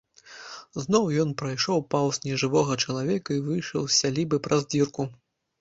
Зноў ён прайшоў паўз нежывога чалавека і выйшаў з сялібы праз дзірку.